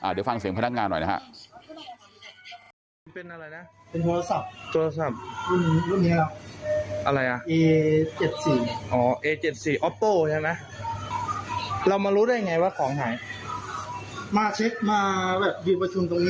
เดี๋ยวฟังเสียงพนักงานหน่อยนะฮะ